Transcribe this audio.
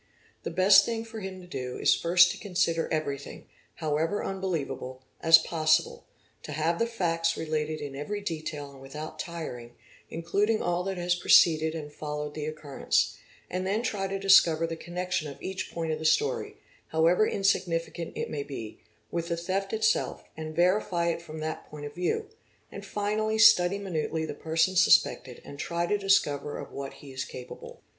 The best thing for him to do is first to ' consider everything, however unbelievable, as possible, to have the facts related in every detail and without tiring, including all that has preceded _and followed the occurrence, and then try to discover the connection of _ each point of the story—however insignificant it may be—with the theft itself and verify it from that point of view, and finally study minutely the _ person suspected and try to discover of what he is capable.